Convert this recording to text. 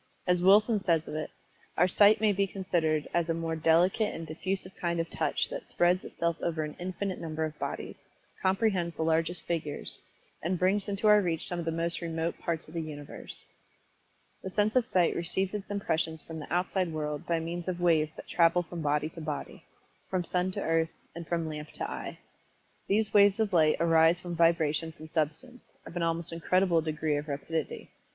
As Wilson says of it, "Our sight may be considered as a more delicate and diffusive kind of touch that spreads itself over an infinite number of bodies; comprehends the largest figures, and brings into our reach some of the most remote parts of the universe." The sense of Sight receives its impressions from the outside world by means of waves that travel from body to body from sun to earth, and from lamp to eye. These waves of light arise from vibrations in substance, of an almost incredible degree of rapidity.